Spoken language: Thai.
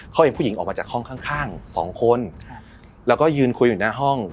เขาเห็นผู้หญิงออกมาจากห้องข้างสองคนแล้วก็ยืนคุยอยู่หน้าห้อง